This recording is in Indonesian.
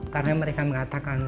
karena mereka mengatakan